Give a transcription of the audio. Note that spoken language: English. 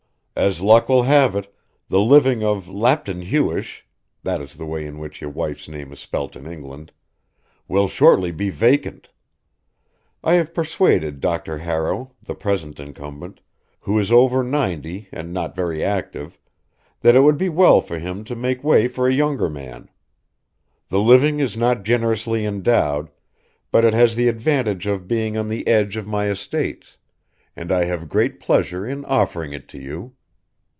As luck will have it the living of Lapton Huish (that is the way in which your wife's name is spelt in England) will shortly be vacant. I have persuaded Dr. Harrow, the present incumbent, who is over ninety and not very active, that it would be well for him to make way for a younger man. The living is not generously endowed, but it has the advantage of being on the edge of my estates, and I have great pleasure in offering it to you.